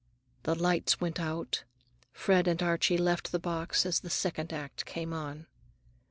The lights went out. Fred and Archie left the box as the second act came on.